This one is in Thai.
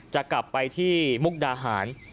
จะกลับไปที่มุกดาหาร